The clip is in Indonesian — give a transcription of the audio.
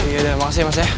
yaudah makasih ya mas ya